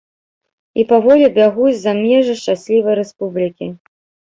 І паволі бягуць за межы шчаслівай рэспублікі.